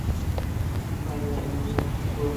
Vålerenga Fotball